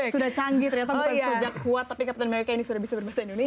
sudah canggih ternyata bukan sejak kuat tapi captain mereka ini sudah bisa berbahasa indonesia